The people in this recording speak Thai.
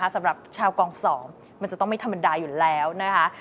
สำหรับชาวกอง๒มันจะต้องไม่ธรรมดาอยู่แล้วนะคะ